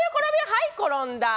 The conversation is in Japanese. はい転んだ。